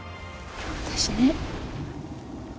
私ね。